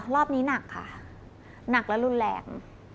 รอบนี้หนักค่ะหนักและรุนแรง